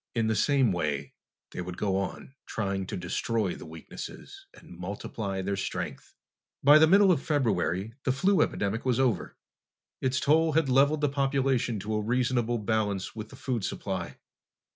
In the same way, they would go on, trying to destroy the weaknesses and multiply their strength. By the middle of February the flu epidemic was over. Its toll had leveled the population to a reasonable balance with the food supply.